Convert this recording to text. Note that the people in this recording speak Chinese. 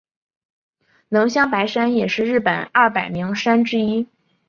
能乡白山也是日本二百名山之一。